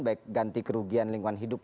baik ganti kerugian lingkungan hidup